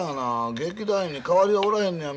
劇団員に代わりはおらへんのや。